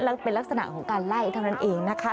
แล้วเป็นลักษณะของการไล่เท่านั้นเองนะคะ